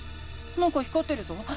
なんか光ってるぞ。